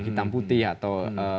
hitam putih atau